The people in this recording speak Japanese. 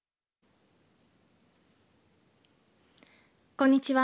こんにちは。